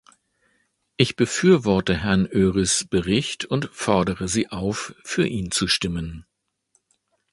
Ich befürworte Herrn Őrys Bericht und fordere Sie auf, für ihn zu stimmen.